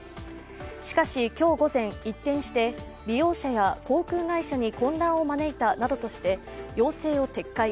しかし今日午前、一転して、利用者や航空会社に混乱を招いたなどとして、要請を撤回。